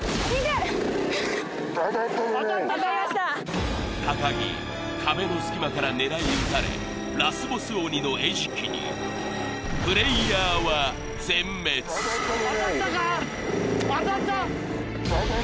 当たりました木壁の隙間から狙い撃たれラスボス鬼の餌食にプレイヤーは全滅当たったぞ！